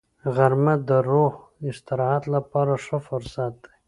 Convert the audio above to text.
غرمه د روح د استراحت لپاره ښه فرصت دی